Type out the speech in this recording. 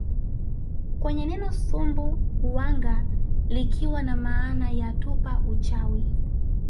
kwenye neno Sumbu wanga likiwa namaana ya tupa uchawi